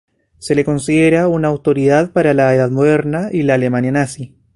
Se le considera una autoridad para la Edad Moderna y la Alemania nazi.